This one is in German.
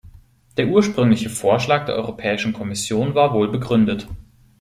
Der ursprüngliche Vorschlag der Europäischen Kommission war wohl begründet.